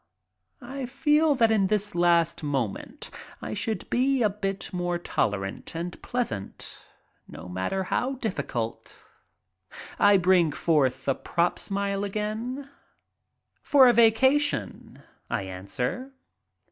I feel that in this last moment I should be a bit more tolerant and pleasant, no matter how difficult. I bring forth the "prop" smile again. "For a vacation," I answer.